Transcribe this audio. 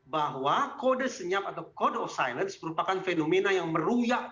bahwa kode senyap atau kode of silence merupakan fenomena yang meruyak